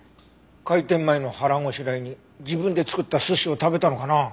開店前の腹ごしらえに自分で作った寿司を食べたのかな。